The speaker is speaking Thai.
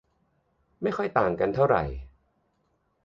ไม่ค่อยต่างกันเท่าไหร่